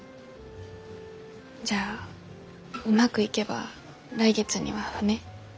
じゃあうまくいけば来月には船。